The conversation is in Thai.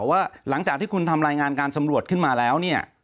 ว่าหลังจากที่คุณทำรายงานการสำรวจขึ้นมาแล้วเนี่ย